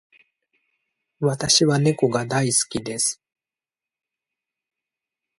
私は猫が大好きです。